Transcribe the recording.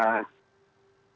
ya tidak bisa